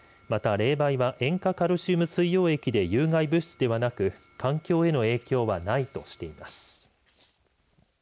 また、冷媒は塩化カルシウム水溶液で有害物質ではなく環境への影響はないとしています。